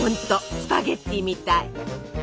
スパゲッティみたい。